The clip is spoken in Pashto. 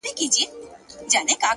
ستا ټولي كيسې لوستې ـ